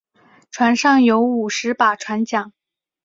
船上有五十把船浆。